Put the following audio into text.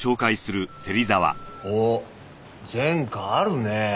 おっ前科あるねぇ。